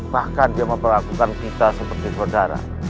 bahkan dia memperlakukan kita seperti saudara